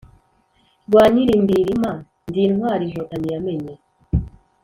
rwa Nyilimbirima ndi intwali inkotanyi yamenye